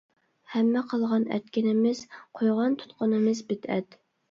ھەممە قىلغان ئەتكىنىمىز، قويغان تۇتقىنىمىز بىدئەت.